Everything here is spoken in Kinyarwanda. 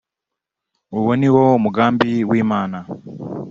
uwo ni wo mugambi w’Imana